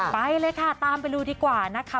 ไปเลยค่ะตามไปดูดีกว่านะคะ